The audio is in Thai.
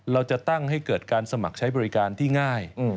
เราจะตั้งให้เกิดการสมัครใช้บริการที่ง่าย